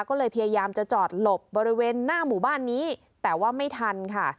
ก็เลยพยายามจะจอดหลบบริเวณหน้าหมู่บ้านนี้แต่ว่าไม่ทันค่ะ